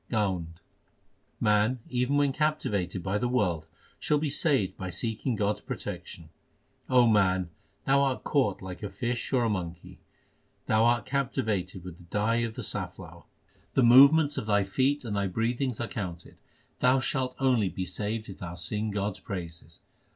1 GAUND Man, even when captivated by the world, shall be saved by seeking God s protection : O man, thou art caught like a fish or a monkey ; thou art captivated with the dye of the saifiower. The movements of thy feet and thy breathings are counted; thou shalt only be saved if thou sing God s praises.